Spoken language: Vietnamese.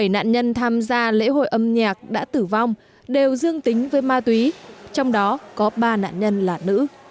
bảy nạn nhân tham gia lễ hội âm nhạc đã tử vong đều dương tính với ma túy trong đó có ba nạn nhân là nữ